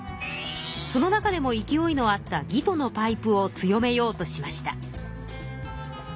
その中でも勢いのあった魏とのパイプを強めようとしました。